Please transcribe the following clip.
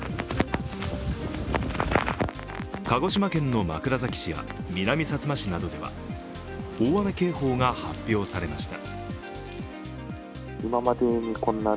鹿児島県の枕崎市や南さつま市などでは大雨警報が発表されました。